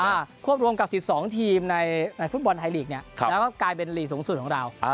ควบรวมกับ๑๒ทีมในในฟุตบอลไทยลีกเนี่ยครับแล้วก็กลายเป็นลีกสูงสุดของเรา